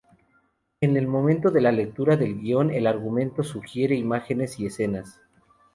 En el momento de la lectura del guion, el argumento sugiere imágenes y escenas.